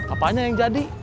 apanya yang jadi